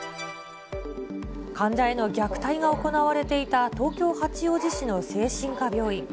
患者への虐待が行われていた東京・八王子市の精神科病院。